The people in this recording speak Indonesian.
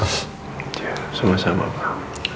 ya sama sama pak